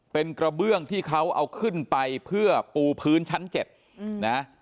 เป็นกระเบื้องที่เขาเอาขึ้นไปเพื่อปูพื้นชั้น๗นะ